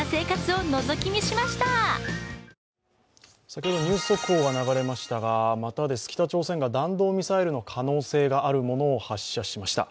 先ほどニュース速報が流れましたがまたです、北朝鮮が弾道ミサイルの可能性があるものを発射しました。